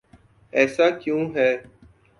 ایسا کیوں ہے؟